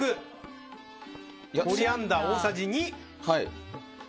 コリアンダー大さじ２。